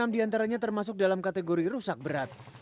dua puluh enam di antaranya termasuk dalam kategori rusak berat